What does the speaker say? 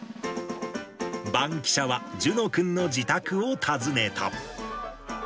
バンキシャは、諄之君の自宅を訪ねた。